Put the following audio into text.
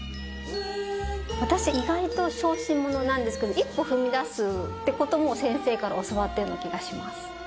私意外と小心者なんですけど一歩踏み出すってことも先生から教わったような気がします。